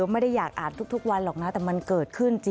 ไม่ได้อยากอ่านทุกวันก็มันเกิดขึ้นจริง